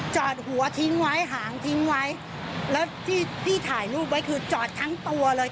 จอดหัวทิ้งไว้หางทิ้งไว้แล้วที่ที่ถ่ายรูปไว้คือจอดทั้งตัวเลย